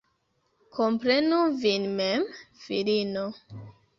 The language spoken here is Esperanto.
Komprenu vin mem, filino.